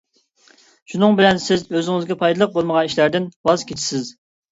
شۇنىڭ بىلەن، سىز ئۆزىڭىزگە پايدىلىق بولمىغان ئىشلاردىن ۋاز كېچىسىز.